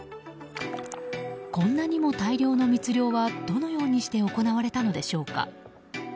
こんなにも大量の密漁はどのようにして行われたのでしょうか。